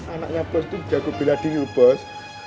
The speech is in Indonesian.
anaknya bos tuh jago bila dingin bos